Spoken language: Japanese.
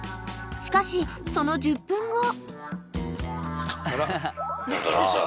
［しかしその１０分後］